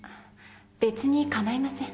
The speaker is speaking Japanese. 別に構いません。